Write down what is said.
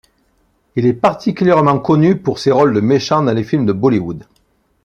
Il est particulièrement connu pour ses rôles de méchants dans les films de Bollywood.